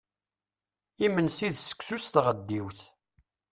Imensi d seksu s tɣeddiwt.